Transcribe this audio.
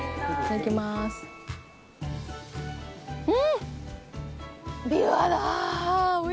うん！